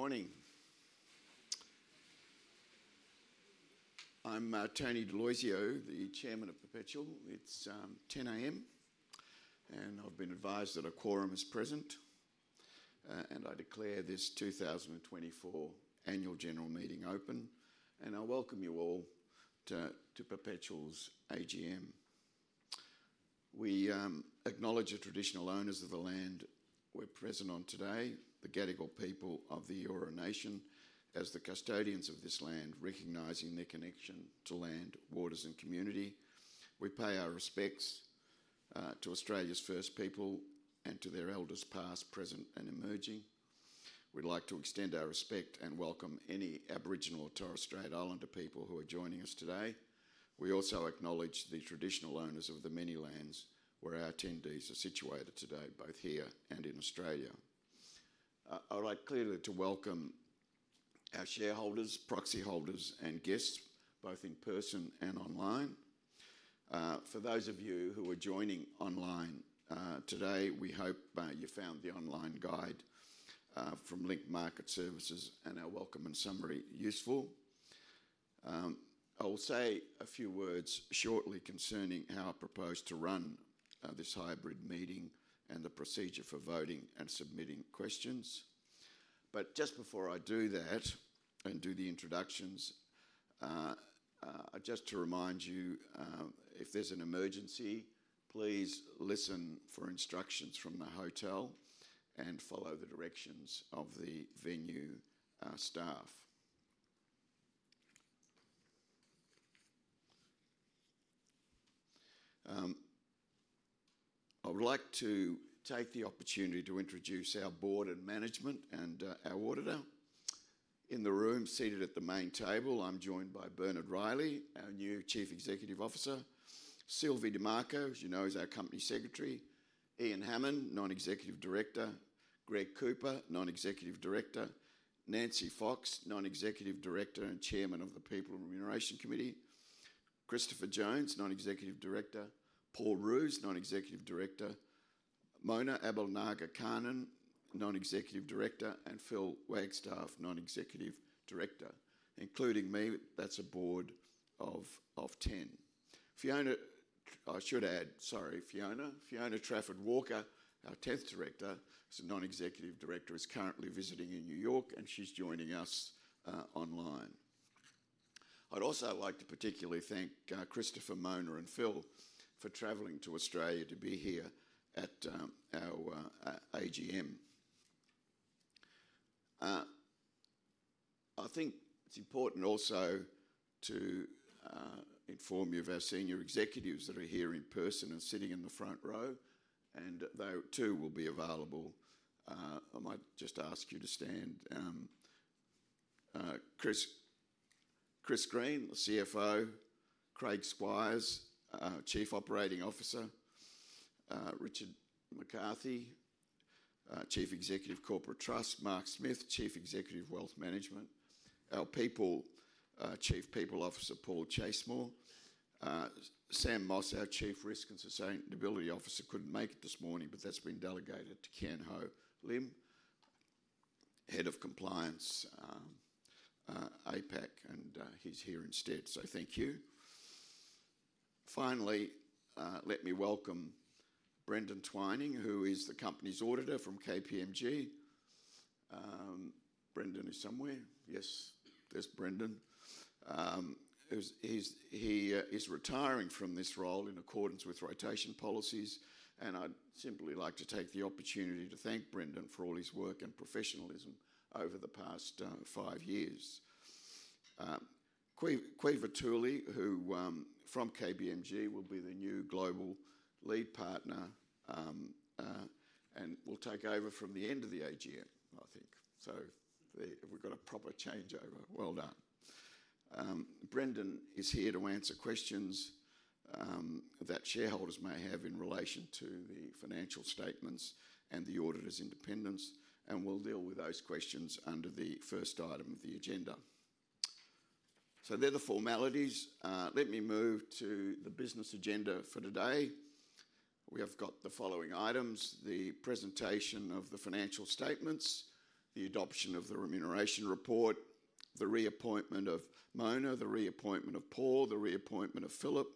Good morning. I'm Tony D'Aloisio, the Chairman of Perpetual. It's 10:00 A.M., and I've been advised that a quorum is present, and I declare this 2024 Annual General Meeting open, and I welcome you all to Perpetual's AGM. We acknowledge the Traditional Owners of the land we're present on today, the Gadigal people of the Eora Nation, as the custodians of this land, recognizing their connection to land, waters, and community. We pay our respects to Australia's First People and to their Elders, past, present, and emerging. We'd like to extend our respect and welcome any Aboriginal or Torres Strait Islander people who are joining us today. We also acknowledge the Traditional Owners of the many lands where our attendees are situated today, both here and in Australia. I would like clearly to welcome our shareholders, proxy holders, and guests, both in person and online. For those of you who are joining online today, we hope you found the online guide from Link Market Services and our welcome and summary useful. I will say a few words shortly concerning how I propose to run this hybrid meeting and the procedure for voting and submitting questions. But just before I do that and do the introductions, just to remind you, if there's an emergency, please listen for instructions from the hotel and follow the directions of the venue staff. I would like to take the opportunity to introduce our board and management and our auditor. In the room, seated at the main table, I'm joined by Bernard Reilly, our new Chief Executive Officer. Sylvie Dimarco, as you know, is our Company Secretary. Ian Hammond, Non-Executive Director. Greg Cooper, Non-Executive Director. Nancy Fox, Non-Executive Director and Chairman of the People and Remuneration Committee. Christopher Jones, Non-Executive Director. Paul Roos, Non-Executive Director. Mona Aboelnaga Kanaan, Non-Executive Director. And Phil Wagstaff, Non-Executive Director. Including me, that's a board of ten. Fiona, I should add. Sorry, Fiona. Fiona Trafford-Walker, our tenth director, is a Non-Executive Director, is currently visiting in New York, and she's joining us online. I'd also like to particularly thank Christopher, Mona, and Phil for traveling to Australia to be here at our AGM. I think it's important also to inform you of our senior executives that are here in person and sitting in the front row, and they, too, will be available. I might just ask you to stand. Chris Green, the CFO. Craig Squires, Chief Operating Officer. Richard McCarthy, Chief Executive, Corporate Trust. Mark Smith, Chief Executive, Wealth Management. Our people, Chief People Officer, Paul Chasemore. Sam Moss, our Chief Risk and Sustainability Officer, couldn't make it this morning, but that's been delegated to Kian Ho Lim, Head of Compliance, APAC, and he's here instead, so thank you. Finally, let me welcome Brendan Twining, who is the company's auditor from KPMG. Brendan is somewhere. Yes, there's Brendan. He is retiring from this role in accordance with rotation policies, and I'd simply like to take the opportunity to thank Brendan for all his work and professionalism over the past five years. Caoimhe Toouli, who from KPMG, will be the new Global Lead Partner and will take over from the end of the AGM, I think. So we've got a proper changeover. Well done. Brendan is here to answer questions that shareholders may have in relation to the financial statements and the auditor's independence, and we'll deal with those questions under the first item of the agenda. So they're the formalities. Let me move to the business agenda for today. We have got the following items: the presentation of the financial statements, the adoption of the Remuneration Report, the reappointment of Mona, the reappointment of Paul, the reappointment of Philip,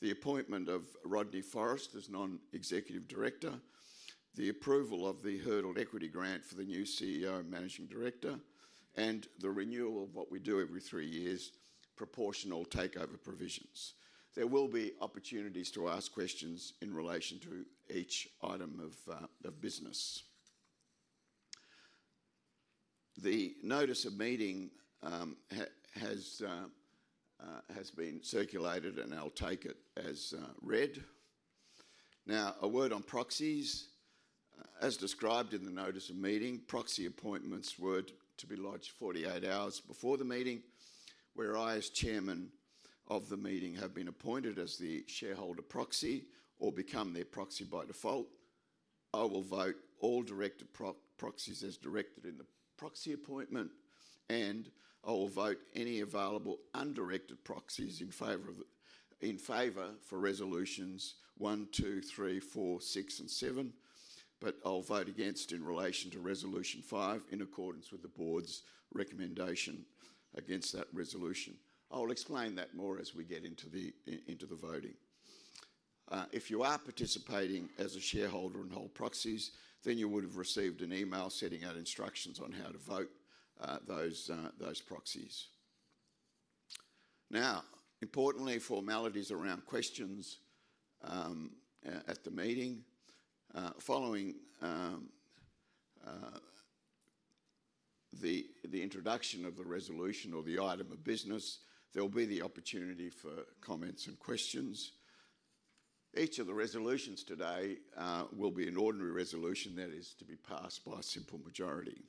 the appointment of Rodney Forrest as Non-Executive Director, the approval of the hurdled equity grant for the new CEO and Managing Director, and the renewal of what we do every three years, Proportional Takeover Provisions. There will be opportunities to ask questions in relation to each item of business. The Notice of Meeting has been circulated, and I'll take it as read. Now, a word on proxies. As described in the Notice of Meeting, proxy appointments were to be lodged forty-eight hours before the meeting, where I, as Chairman of the meeting, have been appointed as the shareholder proxy or become their proxy by default. I will vote all directed proxies as directed in the proxy appointment, and I will vote any available undirected proxies in favor for resolutions one, two, three, four, six, and seven. But I'll vote against in relation to resolution five, in accordance with the board's recommendation against that resolution. I will explain that more as we get into the voting. If you are participating as a shareholder and hold proxies, then you would have received an email setting out instructions on how to vote those proxies. Now, importantly, formalities around questions at the meeting. Following the introduction of the resolution or the item of business, there will be the opportunity for comments and questions. Each of the resolutions today will be an ordinary resolution, that is, to be passed by a simple majority.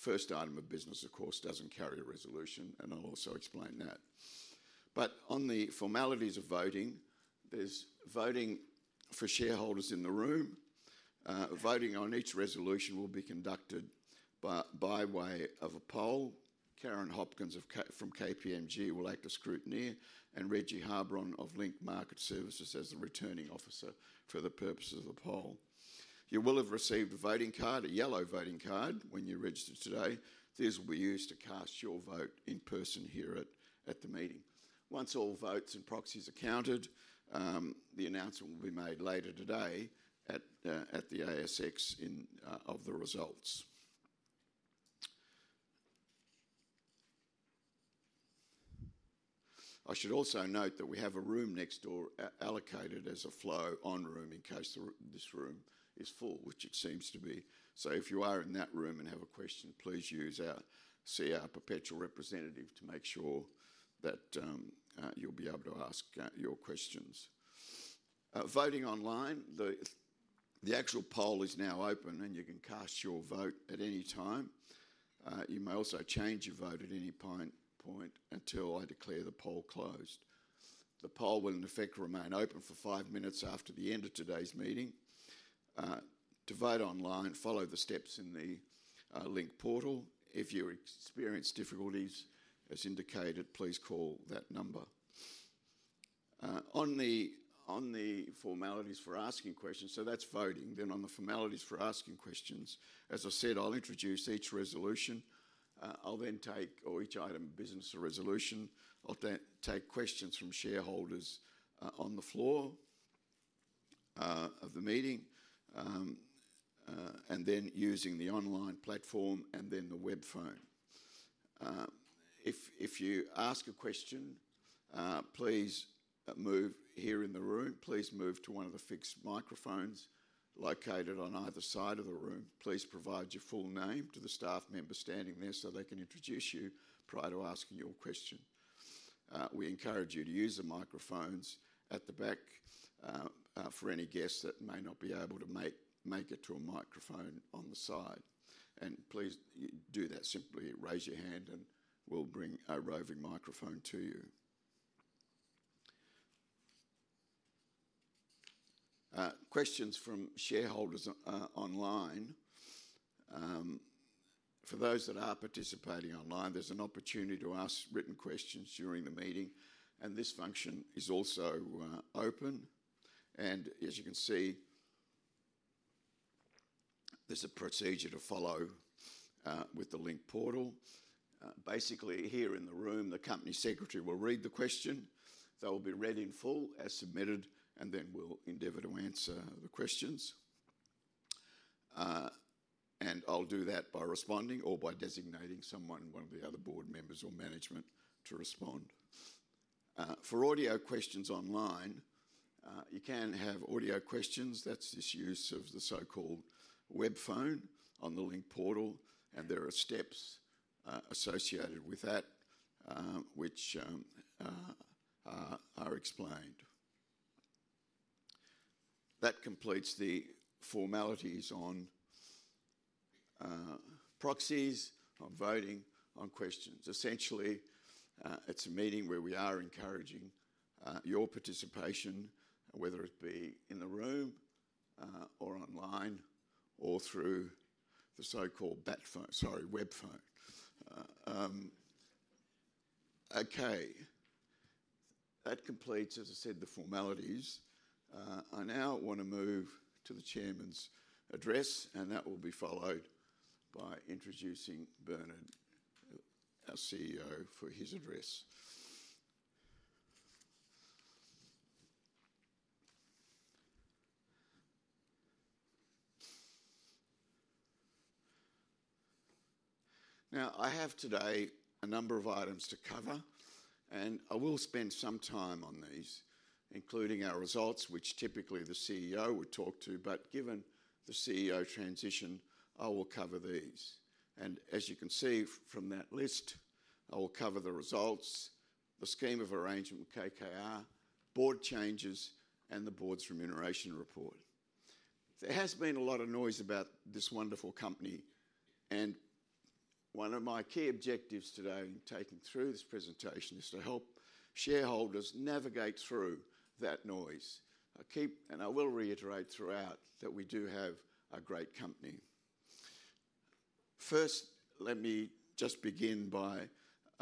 First item of business, of course, doesn't carry a resolution, and I'll also explain that. But on the formalities of voting, there's voting for shareholders in the room. Voting on each resolution will be conducted by way of a poll. Karen Hopkins from KPMG will act as scrutineer, and Reggie Harbron of Link Market Services as the returning officer for the purposes of the poll. You will have received a voting card, a yellow voting card, when you registered today. These will be used to cast your vote in person here at the meeting. Once all votes and proxies are counted, the announcement will be made later today at the ASX of the results. I should also note that we have a room next door allocated as a flow-on room in case this room is full, which it seems to be. So if you are in that room and have a question, please see our Perpetual representative to make sure that you'll be able to ask your questions. Voting online, the actual poll is now open, and you can cast your vote at any time. You may also change your vote at any point until I declare the poll closed. The poll will, in effect, remain open for five minutes after the end of today's meeting. To vote online, follow the steps in the Link Portal. If you experience difficulties, as indicated, please call that number. On the formalities for asking questions. So that's voting. Then on the formalities for asking questions, as I said, I'll introduce each resolution or each item of business or resolution. I'll then take questions from shareholders on the floor of the meeting and then using the online platform and then the web phone. If you ask a question, please move here in the room. Please move to one of the fixed microphones located on either side of the room. Please provide your full name to the staff member standing there, so they can introduce you prior to asking your question. We encourage you to use the microphones at the back for any guests that may not be able to make it to a microphone on the side, and please do that. Simply raise your hand, and we'll bring a roving microphone to you. Questions from shareholders online. For those that are participating online, there's an opportunity to ask written questions during the meeting, and this function is also open, and as you can see, there's a procedure to follow with the Link Portal. Basically, here in the room, the Company Secretary will read the question. They'll be read in full, as submitted, and then we'll endeavor to answer the questions, and I'll do that by responding or by designating someone, one of the other board members or management, to respond. For audio questions online, you can have audio questions. That's this use of the so-called web phone on the Link Portal, and there are steps associated with that, which are explained. That completes the formalities on, proxies, on voting, on questions. Essentially, it's a meeting where we are encouraging, your participation, whether it be in the room, or online or through the so-called bat phone, sorry, web phone. Okay. That completes, as I said, the formalities. I now want to move to the chairman's address, and that will be followed by introducing Bernard, our CEO, for his address. Now, I have today a number of items to cover, and I will spend some time on these, including our results, which typically the CEO would talk to. But given the CEO transition, I will cover these. And as you can see from that list, I will cover the results, the Scheme of Arrangement with KKR, board changes, and the board's remuneration report. There has been a lot of noise about this wonderful company, and one of my key objectives today in taking through this presentation is to help shareholders navigate through that noise. I keep, and I will reiterate throughout, that we do have a great company. First, let me just begin by,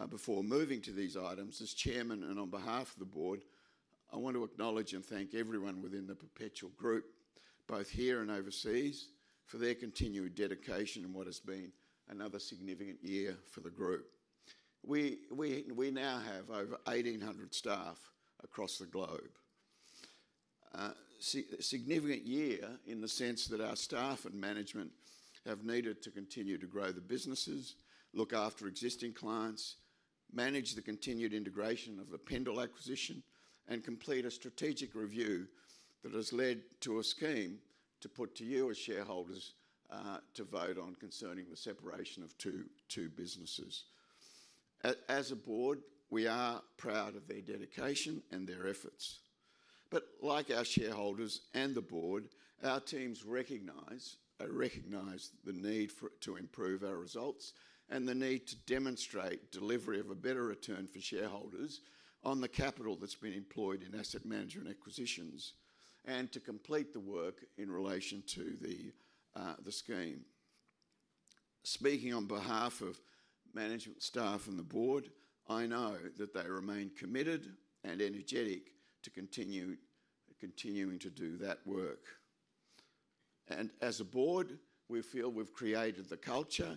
before moving to these items, as Chairman and on behalf of the board, I want to acknowledge and thank everyone within the Perpetual Group, both here and overseas, for their continued dedication in what has been another significant year for the group. We now have over 1,800 staff across the globe. Significant year in the sense that our staff and management have needed to continue to grow the businesses, look after existing clients, manage the continued integration of the Pendal Group acquisition, and complete a strategic review that has led to a scheme to put to you as shareholders to vote on concerning the separation of two businesses. As a board, we are proud of their dedication and their efforts. But like our shareholders and the board, our teams recognize the need to improve our results and the need to demonstrate delivery of a better return for shareholders on the capital that's been employed in asset management acquisitions and to complete the work in relation to the scheme. Speaking on behalf of management, staff, and the board, I know that they remain committed and energetic to continue to do that work. As a board, we feel we've created the culture-